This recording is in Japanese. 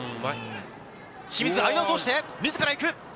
清水、間を通して自ら行く。